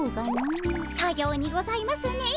さようにございますねえ。